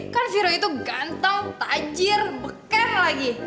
kan viro itu ganteng tajir beker lagi